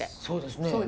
そうですね